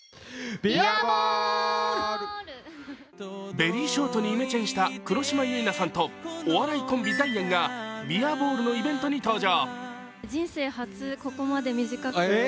ベリーショートにイメチェンした黒島結菜さんとお笑いコンビ、ダイアンがビアボールのイベントに登場。